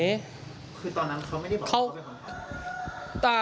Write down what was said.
คือตอนนั้นเขาไม่ได้บอกว่าเขาเป็นคนทำ